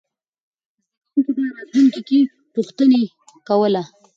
زده کوونکي به راتلونکې کې پوښتنې کوله.